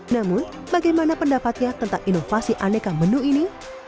namun bagaimana pendapatnya tentang inovasi aneka menu ini